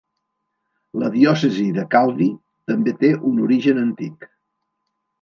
La diòcesi de Calvi també té un origen antic.